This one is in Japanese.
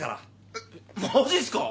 えっマジっすか？